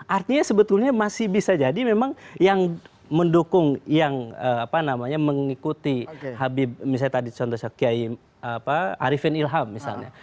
artinya sebetulnya masih bisa jadi memang yang mendukung yang apa namanya mengikuti habib misalnya tadi contohnya kiai arifin ilham misalnya